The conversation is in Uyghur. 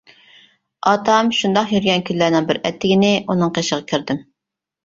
ئاتام شۇنداق يۈرگەن كۈنلەرنىڭ بىر ئەتىگىنى ئۇنىڭ قېشىغا كىردىم.